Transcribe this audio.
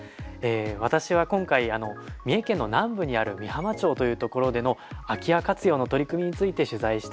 私は今回三重県の南部にある御浜町という所での空き家活用の取り組みについて取材してきました。